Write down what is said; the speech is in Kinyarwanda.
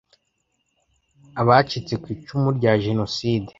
Abacitse ku icumu rya jenoside